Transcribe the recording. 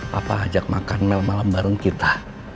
papa ajak makan malam bareng kita